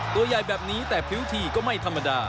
ตัวใหญ่แบบนี้แต่ผิวทีก็ไม่ธรรมดา